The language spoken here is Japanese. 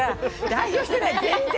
代表してない全然。